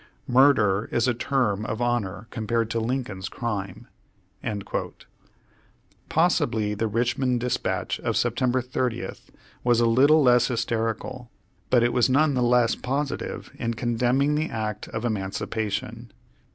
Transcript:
'Murder' is a term of honor compared to Lincoln's crime." Possibly the Richmond Dispatch of Sept. 30, was a little less hysterical, but it was none the less positive in condemning the act of Emancipation.